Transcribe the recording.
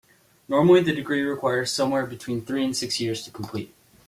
Normally, the degree requires somewhere between three and six years to complete.